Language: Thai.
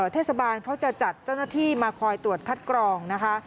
เทศบาลเขาจะจัดเจ้าหน้าที่มาคอยตรวจคัดกรองนะคะ